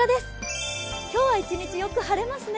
今日は１日、よく晴れますね。